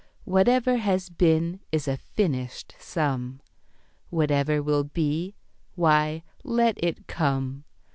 "Whatever has been, is a finished sum; Whatever will be why, let it come.